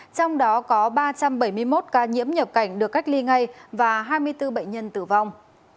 trong đó có ba trăm bảy mươi một ca nhiễm nhập cảnh được cách ly ngay và hai mươi bốn bệnh nhân tử vong